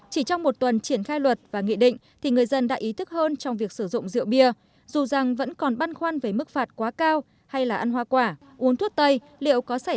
chỉ trong một tuần triển khai luật và nghị định thì người dân đã ý thức hơn trong việc sử dụng rượu bia dù rằng vẫn còn băn khoăn với mức phạt quá cao hay là ăn hoa quả uống thuốc tây